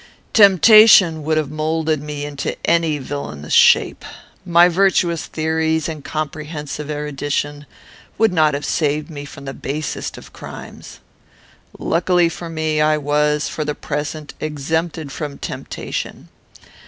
"Temptation would have moulded me into any villanous shape. My virtuous theories and comprehensive erudition would not have saved me from the basest of crimes. Luckily for me, I was, for the present, exempted from temptation.